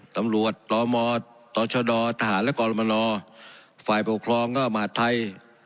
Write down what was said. ตำรวจตมตชดทหารและกลมฝ่ายปกครองมหัฐไทย